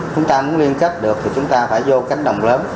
chúng ta muốn liên kết được thì chúng ta phải vô cánh đồng lớn